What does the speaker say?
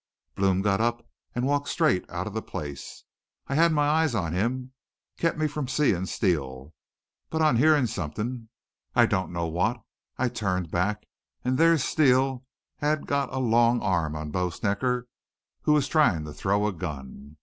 "Blome got up an' walked straight out of the place. I had my eyes on him, kept me from seein' Steele. But on hearin' somethin', I don't know what, I turned back an' there Steele had got a long arm on Bo Snecker, who was tryin' to throw a gun.